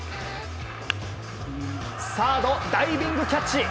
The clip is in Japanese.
サード、ダイビングキャッチ！